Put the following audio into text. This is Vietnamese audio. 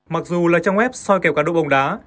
mặc dù là trang web soi kẹo cả đồ bồng đá